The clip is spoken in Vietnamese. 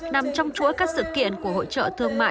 nằm trong chuỗi các sự kiện của hội trợ thương mại dung dân